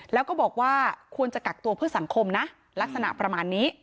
แล้วก็บอกว่าควรจะกักตัวเพื่อสังคมนะลักษณะประมาณนี้